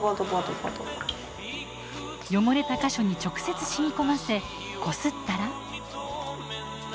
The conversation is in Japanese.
汚れた箇所に直接染み込ませこすったら。